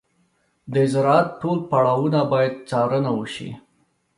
د زراعت ټول پړاوونه باید څارنه وشي.